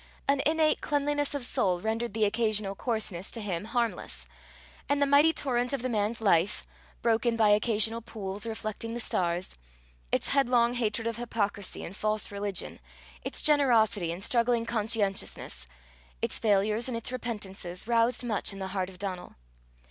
An innate cleanliness of soul rendered the occasional coarseness to him harmless, and the mighty torrent of the man's life, broken by occasional pools reflecting the stars; its headlong hatred of hypocrisy and false religion; its generosity, and struggling conscientiousness; its failures and its repentances, roused much in the heart of Donal.